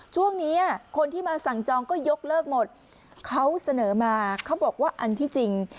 ช่วงนี้คนที่มาสั่งจองก็ยกเลิกหมดเขาเสนอมาเขาบอกว่าอันที่จริง